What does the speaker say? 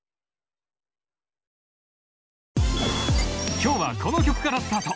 今日はこの曲からスタート！